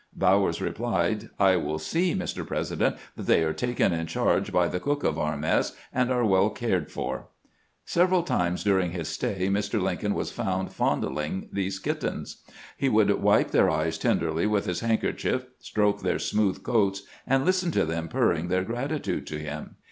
Bowers replied: "I will see, Mr. President, that they are taken in charge by the cook of our mess, and are well cared for." Several times during his stay Mr. Lincoln was found fondling these kittens. He would wipe their eyes tenderly with his handker chief, stroke their smooth coats, and listen to them purring their gratitude to him.